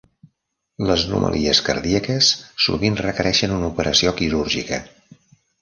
Les anomalies cardíaques sovint requereixen una operació quirúrgica.